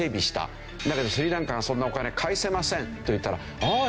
だけどスリランカがそんなお金返せませんといったらあ